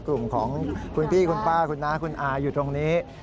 กลุ่มของคุณพี่คุณป้าคุณน้าคุณอาอยู่ตรงนี้